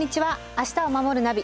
「明日をまもるナビ」